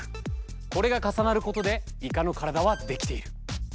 これが重なることでイカの体はできている。